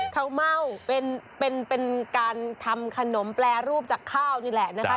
ข้าวเม่าเป็นการทำขนมแปรรูปจากข้าวนี่แหละนะคะ